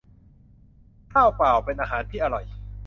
ข้าวเปล่า เป็นอาหารที่อร่อย